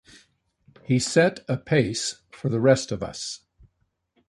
He set a pace for the rest of us.